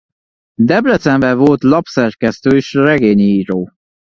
Debrecenben volt lapszerkesztő és regényíró.